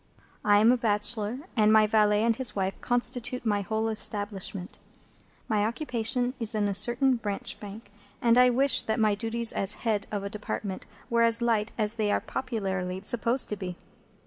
I am a bachelor, and my valet and his wife constitute my whole establishment. My occupation is in a certain Branch Bank, and I wish that my duties as head of a Department were as light as they are popularly supposed to be.